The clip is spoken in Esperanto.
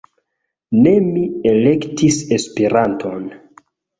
Ne mi elektis Esperanton.